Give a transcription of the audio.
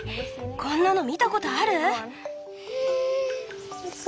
こんなの見たことある？